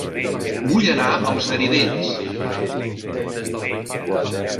Vull anar a Els Garidells